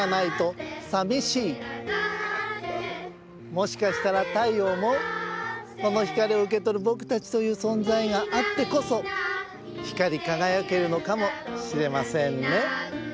もしかしたら太陽もその光を受けとるぼくたちというそんざいがあってこそ光りかがやけるのかもしれませんね。